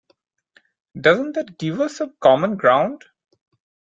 Doesn't that give us some common ground?